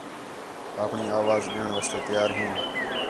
آپݨی اَواز ݙیݨ واسطے تیار ہیں؟